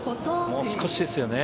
もう少しですよね。